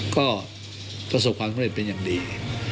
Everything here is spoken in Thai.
ก็ประสบความสำเร็จเป็นอย่างดี